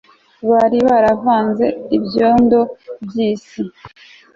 bari baravanze ibyondo by'isi